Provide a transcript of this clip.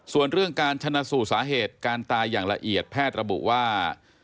ส่วนเรื่องการชนะสูตรสาเหตุการตายอย่างละเอียดแพทย์ระบุว่า